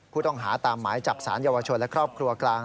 ผู้ต้องหาตามหมายจับสารเยาวชนและครอบครัวกลาง